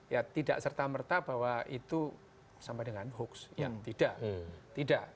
ya tidak serta merta bahwa itu sama dengan hoax yang tidak tidak